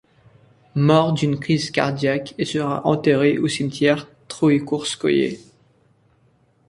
Mort d'une crise cardiaque et sera enterré au cimetière Troïekourovskoïe.